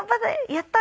やったー。